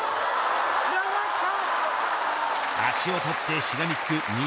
足を取ってしがみつく錦